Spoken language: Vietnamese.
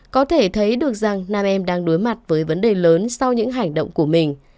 có thể thấy được rằng nam em đang đối mặt với vấn đề lớn sau những hành động của mình